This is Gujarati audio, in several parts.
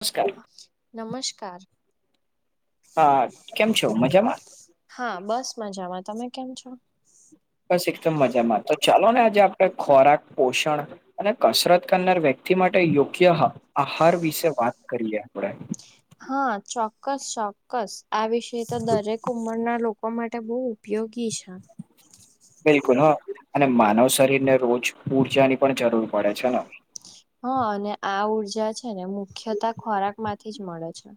નમસ્કાર. નમસ્કાર. હા કેમ છો મજામાં. હા બસ માં જવા તમે કેમ છો. બસ એકદમ મજામાં તો ચાલો ને આજે આપડે ખોરાક પોષણ અને કસરત કરનાર વ્યક્તિ માટે યોગ્ય આહાર વિશે વાત કરીએ આપણે હા ચોક્કસ ચોક્કસ આ વિષ તો દરેક ઉંમરના લોકો આપવા માટે બહુ ઉપયોગી છે. બિલકુલ હ અને માનવ શરીર ને રોજ ઉર્જાની પણ જરૂર પડે છે ને. હા અને આ ઉઊર્જા છે ને મુખ્યત ખોરાક માંથી જ મળે છે.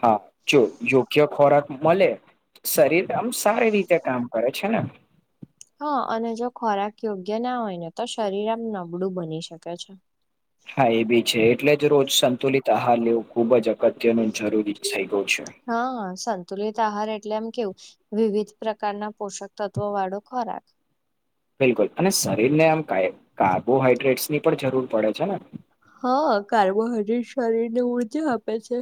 હા જો યોગ્ય ખોરાક મળે. શરીર આમ સારી રીતે કામ કરે છે ને હા અને જો ખોરાક યોગ્ય ના હોય ને તો શરીર આમ નબળું બની શકે છે. હા એ બી છે એટલે જ રોજ સંતુલિત આહાર લેવો ખુબ જ અગત્યનું જરૂરી થઈ ગયું છે. હા સંતુલિત આહાર એટલે એમ કેવું. વિવિધ પ્રકારના પોષક તત્વો વાળો ખોરાક બિલકુલ અને શરીર ને આમ કાર્બોહાઈડ્રેટ્સ ની પણ જરૂર પડે છે ને. હા કાર્બોહાઈડ્રેટ શરીર ને ઉર્જા આપે છે.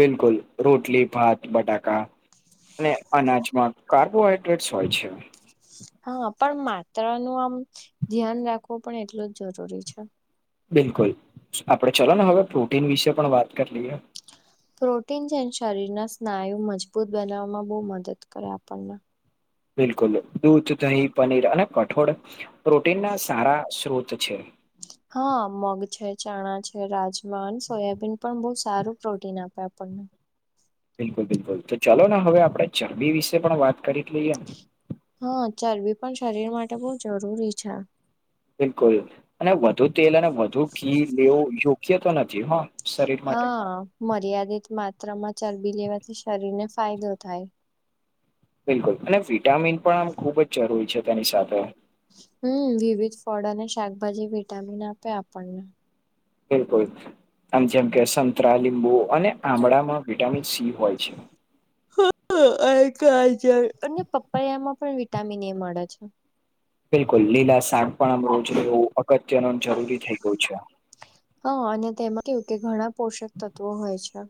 બિલકુલ રોટલી ભાત બટાકા અને અનાજમાં કાર્બોહાઈડ્રેટસ હોય છે. હા પણ માત્ર નું આમ ધ્યાન રાખવું પણ એટલું જ જરૂરી છે. બિલકુલ આપડે ચલો ને હવે પ્રોટીન વિશે પણ વાત કરી લઈએ પ્રોટીન છે શરીરના સ્નાયુ મજબૂત બનાવવામાં બહુ મદદ કરે આપણને. બિલકુલ દૂધ દહીં પનીર અને કઠોળ પ્રોટીન ના સારા સ્ત્રોત છે. હા મગ છે ચણા છે રાજમાન સોયાબીન પણ બહુ સારું પ્રોટીન આપે આપણને બિલકુલ બિલકુલ તો ચાલો ને હવે આપડણે ચરબી વિશે પણ વાત કરી લઈએ ને. હા ચરબી પણ શરીર માટે બહ જરૂરી છે. બિલકુલ અને વધુ તેલ અને વધુ ઘી લેવો યોગ્ય તો નથી હ હા મર્યાદિત માત્રામાં ચરબી લેવાથી શરીર ને ફાયદો થાય. બિલકુલ અને વિટામિન પણ આમ ખુબ જ જરૂરી છે તેની સાથે હમ વિવિધ ફળ અને શાકભાજી વિટામિન આપે આપણને. બિલકુલ આમ જેમ કે સંતરા લીંબુ અને આમળામાં વિટામિન સી હોય છે. અને પપૈયામાં પણ વિટામિન એ મળે છે. બિલકુલ, લીલા શાક પણ આમોજ એવું અગત્યનું જરૂરી થઈ ગયું છે. હા, અને તેમાં કેવું કે, ઘણા પોષક તત્વો હોય છે.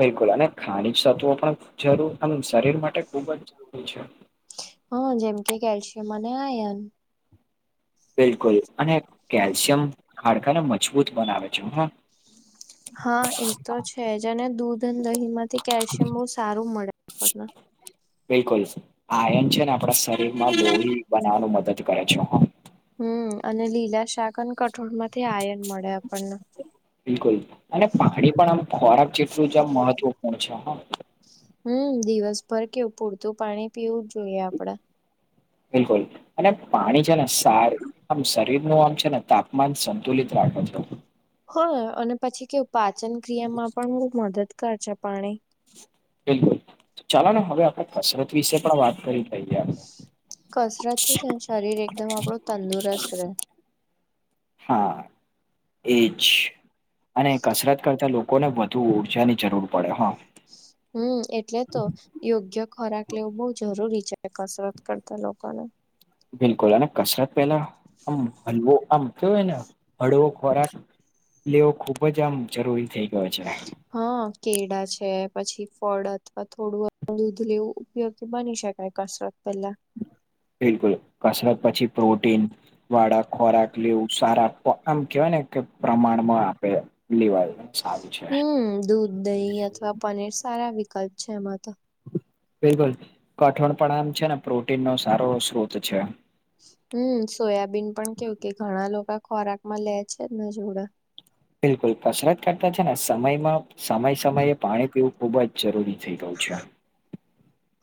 બિલકુલ, અને ખાણી તત્વો પણ જરૂર શરીર માટે ખુબ જ જરૂરી છે. હા, જેમ કે કેલ્શિયમ અને આયન. બિલકુલ, અને કેલ્શિયમ ખાડકાને મજબૂત બનાવે છે. હા. હા, એ તો છે જ, અને દૂધ અને દહીં માંથી કેલ્શિયમ બહુ સારું મળે આપણને. બિલકુલ આયન છે ને, આપણા શરીરમાં લોળ બનાવવાનું મદદ કરે છે હ. હમ, અને લીલા શાક અને કઠોળ માંથી આયન મળે આપણને. બિલકુલ, અને પાહાડી પણ આમ ખોરાક જેટલું જ આ મહત્વપૂર્ણ છે. હમ, દિવસભર કેવું પૂરતું પાણી પીવું જ જોઈએ આપડા. બિલકુલ, અને પાણી છે ને સારું. આમ શરીર નું આમ છે ને, તાપમાન સંતુલિત રાખો છો. હ, અને પછી કે પાચન ક્રિયામાં પણ બહુ મદદ કરશે પાણી. બિલકુલ ચાલો ને, હવે આપણા કસરત વિશે પણ વાત કરી. લઈએ આપણે કસરત થી જ શરીર એકદમ આપડું તંદુરસ્ત રહે. હા. એજ, અને કસરત કરતા લોકોને વધુ ઉર્જાની જરૂર પડે હા. હમ, એટલે તો યોગ્ય ખોરાક લેવું બહુ જરૂરી છે. કસરત કરતા લોકોના. બિલકુલ હને. કસરત પેલા આમ હલવો, આમ કેયોયને હળવો ખોરાક. લેવો ખુબ જ આમ જરૂરી થઈ ગયો છે. હા, કેળા છે, પછી ફળ અથવા થોડું દૂધ લેવું ઉપયોગી બની શકાય, કસરત પેલા. બિલકુલ, કસરત પછી પ્રોટીન વાળક ખોરાક લેવું સારા. આમ કેહેવાય ને કે, પ્રમાણમાં આપે લેવાય. સારું છે હમ, દૂધ, દહીં અથવા પનીર સારા વિકલ્પ છે, એમાં તો. બિલકુલ, કઠોણ પણ આમ છે ને, પ્રોટીન નો સારો સ્ત્રોત છે. હમ, સોયાબીન પણ કેવું કે, ઘણા લોકો ખોરાક માં લે છે ને જોડા. બિલકુલ, કસરત કરતા છે ને, સમયમાં સમય સમયે પાણી પીવું ખૂબ જ જરૂરી થઈ રહ્યું છે.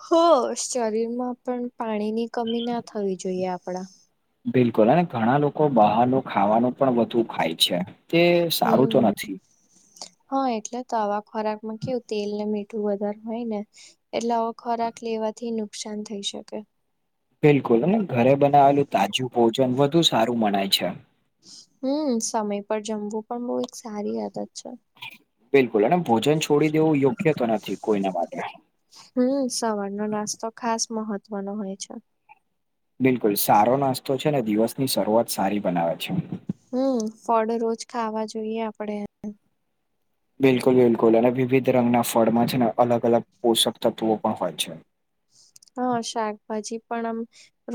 હોય, શરીરમાં પણ પાણીની કમી ના થવી જોઈએ આપડા. બિલકુલ, અને ઘણા લોકો બહારનું ખાવાનું પણ વધુ ખાય છે. તે સારું તો હમ. નથી હા, એટલે તો આવા ખોરાક માં કેવું તેલ ને મીઠું વધારે હોય ને. એટલે આવો ખોરાક લેવાથી નુકસાન થઈ શકે. બિલકુલ, ઘરે બનાવેલું તાજું ભોજન વધુ સારું મનાય છે. હમ, સમય પર જમવું પણ બઉ એક સારી આદત છે. બિલકુલ, અને ભોજન છોડી દેવું યોગ્ય તો નથી કોઈને માટે. હમ, સવાર નો નાસ્તો ખાસ મહત્વનો હોય છે. બિલકુલ, સારો નાસ્તો છે ને, દિવસની શરૂઆત સારી બનાવે છે. હમ, ફળ રોજ ખાવા જોઈએ આપડે. બિલકુલ બિલકુલ! અને વિવિધ રંગના ફળમાં છે ને, અલગ અલગ પોષક તત્વો પણ હોય છે. હા, શાકભાજી પણ આમ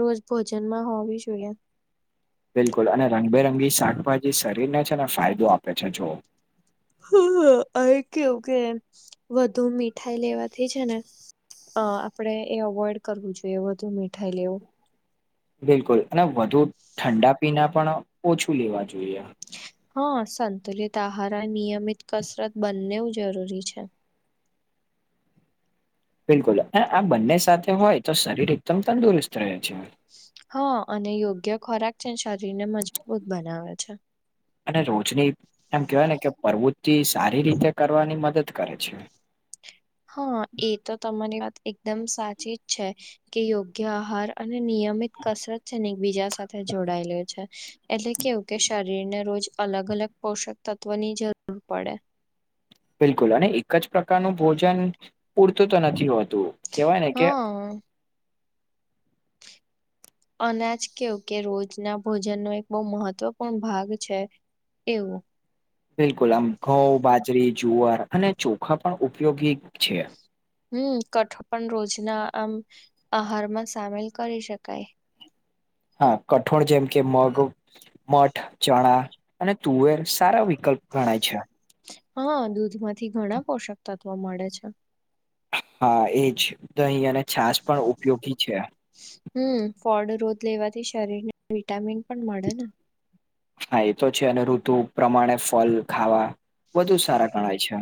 રોજ ભોજનમાં હોવી જોઈએ. બિલકુલ, અને રંગબેરંગી શાકભાજી શરીરને છે ને, ફાયદો આપે છે જુઓ. હ અ અયે કેવું કે વધુ મીઠાઈ લેવાથી છે ને અ આપડે એ અવોઈડ કરવું જોઈએ વધુ મીઠાઈ લેવું. બિલકુલ અને વધુ ઠંડા પીના પણ ઓછું લેવા જોઈએ. હ સંતુલિત આહાર, નિયમિત કસરત બંનેઉ જરૂરી છે. બિલકુલ અ આ બંને સાથે હોય તો શરીર એકદમ તંદુરસ્ત રહે છે. હ અને યોગ્ય ખોરાક છે શરીર ને મજબૂત બનાવે છે. અને રોજની એમ કેહેવાય ને કે પરવૃત્તિ સારી રીતે કરવાની મદદ કરે છે. હા એ તો તમારી વાત એકદમ સાચી જ છે કે યોગ્ય આહાર. અને નિયમિત કસરત છે ને એકબીજા સાથે જોડાયેલો છે એટલે કેવું કે શરીર ને રોજ અલગ અલગ પોષક તત્વો ની જરૂર પડે. બિલકુલ અને એક જ પ્રકારનું ભોજન પૂરતું તો નથી હોતું. કેહેવાય ને કે હ અનાજ કેવું કે, રોજના ભોજન નો એક બહુ મહત્વપૂર્ણ ભાગ છે એવું બિલકુલ આમ ઘઉ, બાજરી, જુઆર અને ચોખા પણ ઉપયોગી છે. હમ્મ કઠોળ પણ રોજના આમ આહારમાં સામેલ કરી શકાય. હા કઠોળ જેમ કે મગ, મઠ, ચણા અને તુવેર સારા વિકલ્પ ગણાય છે હા દૂધમાંથી ઘણા પોષક તત્વો મડે છે. હા એજ દહીં અને છાસ પણ ઉપયોગી છે. હમ્મ ફળ રોજ લેવાથી શરીર ને વિટામિન પણ મડે ને. હા એ તો છે અને ઋતુ પ્રમાણે ફલ ખાવા વધુ સારા ગણાય છે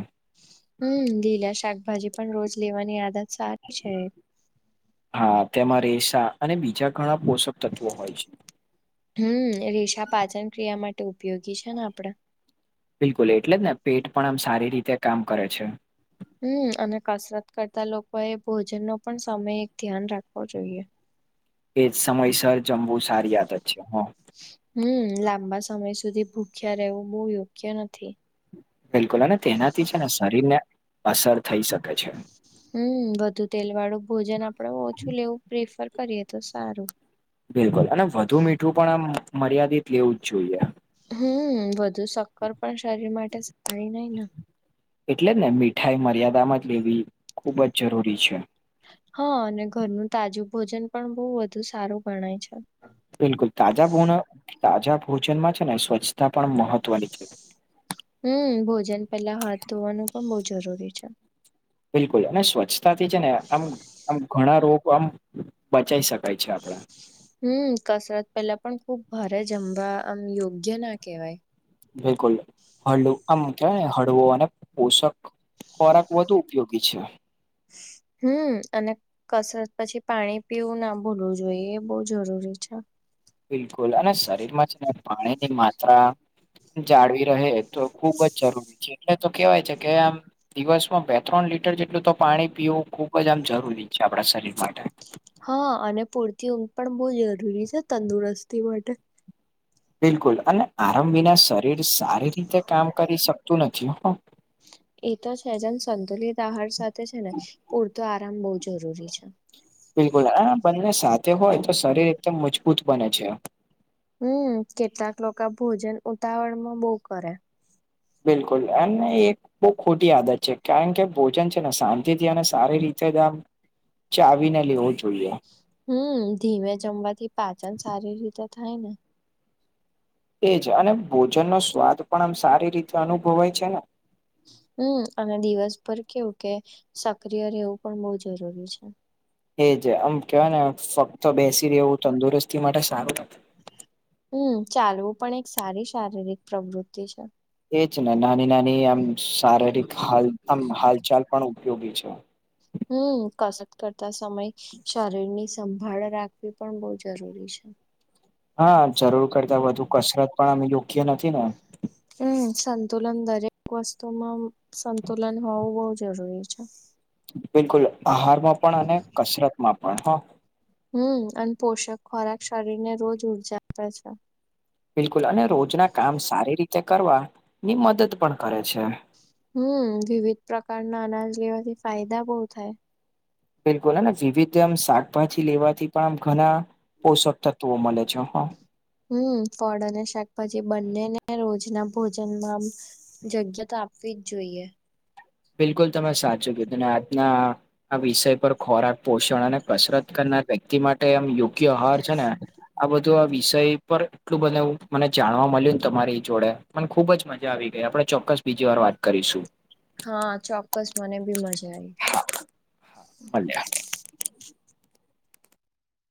હમ્મ લીલા શાકભાજી પણ રોજ લેવાની આદત સારી છે હા તેમાં રેસા અને બીજા ઘણા પોષક તત્વો હોય છે. હમ્મ એ રેશા પાચન ક્રિયા માટે ઉપયોગી છે ને આપડે બિલકુલ એટલે જ ને પેટ પણ આમ સારી રીતે કામ કરે છે હમ્મ અને કસરત કરતા લોકો એ ભોજન નો પણ સમય એક ધ્યાન રાખવો જોઈએ. એજ સમયસર જમવું સારી આદત છે હ હમ્મ લાંબા સમય સુધી ભૂખ્યા રહેવું બહુ યોગ્ય નથી. બિલકુલ અને તેનાથી છે ને શરીર ને અસર થઈ શકે છે. હમ્મ વધુ તેલ વાળું ભોજન આપડે ઓછું લેવું પ્રિફર કરીએ તો સારું. બિલકુલ અને વધુ મીઠું પણ આમ મર્યાદિત લેવું જ જોઈએ હમ્મ વધુ સક્કર પણ શરીર માટે સારી નઈ ને એટલે જ ને મીઠાઈ મર્યાદામાં જ લેવી ખુબ જ જરૂરી છે હ અને ઘરનું તાજું ભોજન પણ બહુ વધુ સારું ગણાય છે બિલકુલ તાજા ભોન તાજા ભોજનમાં છે ને સ્વચ્છતા પણ મહત્વની છે હમ્મ ભોજન પેલા હાથ ધોવાનું પણ બઉ જરૂરી છે. બિલકુલ અને સ્વચ્છતાથી છે ને આમ આમ ઘણા રોગ આમ બચાઈ શકાય છે આપડે હમ્મ કસરત પેલા પણ ખુબ ભારે જમવા આમ યોગ્ય ના કેવાય બિલકુલ હલું આમ કે [unintelligible] હડવુ અને પોષક ખોરાક વધુ ઉપયોગી છે. હમ્મ અને કસરત પછી પાણી પીવું ના ભૂલવું જોઈએ એ બો જરૂરી છે બિલકુલ અને શરીરમાં છે પાણી ની માત્રા જાળવી રહે એતો ખુબ જ જરૂરી છે એટલે તો કેવાય છે કે આમ દિવસમાં બે ત્રણ લીટર જેટલું તો પાણી પીવું ખુબ જ આમ જરૂરી છે આપણા શરીર માટે. હા અને પૂરતી ઊંઘ પણ બહુ જરૂરી છે તંદુરસ્તી માટે. બિલકુલ અને આરામ વિના શરીર સારી રીતે કામ કરી શકતું નથી. એ તો છે, જેમ સંતુલિત આહાર સાથે છે ને પૂરતો આરામ બહુ જરૂરી છે. બિલકુલ આ બંને સાથે હોય તો શરીર એકદમ મજબૂત બને છે. હમ, કેટલાક લોકો ભોજન ઉતાવળ માં બહ કરે. બિલકુલ અને એક બહ ખોટી આદત છે કારણ કે ભોજન છે ને શાંતિથી અને સારી રીતે ચાવીને લેવો જોઈએ. હમ ધીમે જમવાથી પાચન સારી રીતે થાય ને. એજ અને ભોજનનો સ્વાદ પણ આમ સારી રીતે અનુભવાય છે ને. હમ અને દિવસ પર કેવું કે સક્રિય રહેવું પણ બહુ જરૂરી છે. એજ આમ કેવાય ને ફક્ત બેસી રહે એવું તંદુરસ્તી માટે સારું નથી. હમ ચાલવું પણ એક સારી શારીરિક પ્રવૃત્તિ છે. એજ ને નાની નાની આમ શારીરિક હ આમ હાલચાલ પણ ઉપયોગી છે. હમ કસરત કરતા સમય શરીર ની સંભાળ રાખવી પણ બહ જરૂરી છે. હા જરૂર કરતા વધુ કસરત પણ અમે જોખએ નથી ને. હમ સંતુલન દરેક વસ્તુમાં સંતુલન હોવું બહુ જરૂરી છે. અચ્છા [unintelligible] બિલકુલ આહારમાં પણ અને કસરત માં પણ હા. હમ અને પોષક ખોરાક શરીર ને રોજ ઉર્જા આપે છે. બિલકુલ અને રોજના કામ સારી રીતે કરવા ની મદદ પણ કરે છે. હમ વિવિધ પ્રકારના અનાજ લેવાથી ફાયદા બહુ થાય. બિલકુલ વિવિધ આમ શાકભાજી લેવાથી પણ આમ ઘણા પોષક તત્વો મળે છે હા. હમ ફળ અને શાકભાજી બંનેને રોજના ભોજનમાં જગ્યા તો આપવી જ જોઈએ. બિલકુલ તમે સાચું કીધ તું આજના આ વિષય પર ખોરાક પોષણ અને કસરત કરનાર વ્યક્તિ માટે એમ યોગ્ય આહાર છે ને. આ બધું આ વિષય પર એટલું બને મને જાણવા મળ્યું ને તમારી જોડે, મને ખુબ જ મને આવી ગઈ આપડણે ચોક્કસ બીજી વાર વાત કરીશું. હા ચોક્કસ મને બી મજા આવી. ભલ્યા.